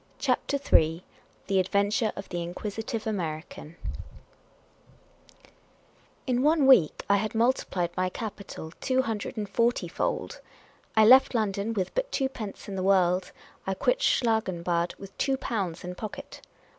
CHAPTER III THK ADVENTURE OF THE INQUISITIVE AMERICAN IN one week I had multiplied my capital two hundred and forty fold ! I left London with but twopence in the world ; I quitted Schlangenbad with two pounds in pocket.